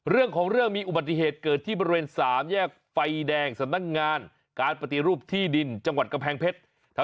เรื่องของเรื่องมีอุบัติเหตุเกิดที่บริเวณ๓แยกไฟแดงสำนักงานการปฏิรูปที่ดินจังหวัดกำแพงเพชร